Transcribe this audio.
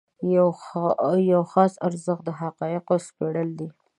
یو خاص ارزښت د حقایقو سپړل دي.